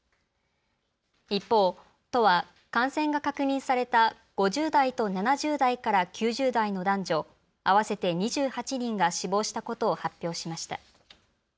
一方、都は感染が確認された５０代と７０代から９０代の男女合わせて２８人が死亡したことを発表しました。